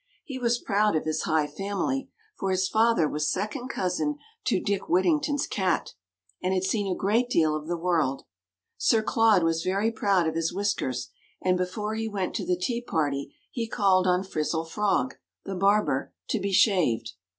He was proud of his high family, for his father was second cousin to Dick Whittington's Cat, and had seen a great deal of the world. Sir Claude was very proud of his whiskers, and before he went to the tea party, he called on Frizzle Frog, the barber, to be shaved.